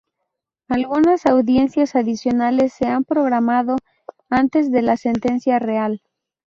Algunas audiencias adicionales se han programado antes de la sentencia real.